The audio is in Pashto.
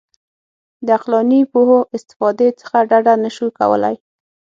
د عقلاني پوهو استفادې څخه ډډه نه شو کولای.